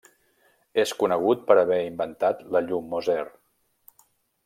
És conegut per haver inventat la Llum Moser.